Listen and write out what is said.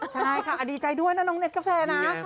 ใช่ค่ะดีใจด้วยนะน้องเน็ตกาแฟนะ